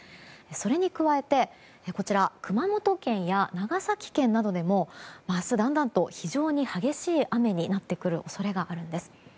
それに加えて熊本県や長崎県などでも明日、だんだんと非常に激しい雨になってくる恐れがあるんです。